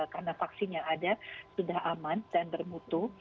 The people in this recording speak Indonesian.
karena vaksin yang ada sudah aman dan bermutu